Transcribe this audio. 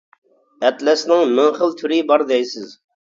ئەتلەسنىڭ مىڭ خىل تۈرى بار دەيسىز.